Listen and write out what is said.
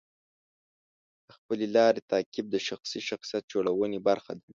د خپلې لارې تعقیب د شخصي شخصیت جوړونې برخه ده.